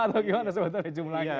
atau gimana sebetulnya jumlahnya